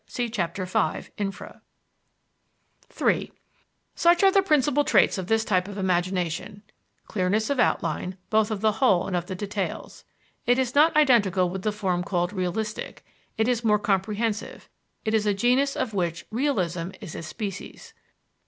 (See Chapter V, infra.) III Such are the principal traits of this type of imagination: clearness of outline, both of the whole and of the details. It is not identical with the form called realistic it is more comprehensive; it is a genus of which "realism" is a species.